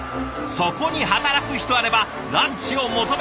そこに働く人あればランチを求め